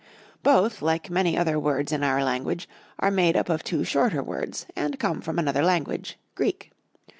Both, like many other words in our language, are made up of two shorter words, and come from another language Greek.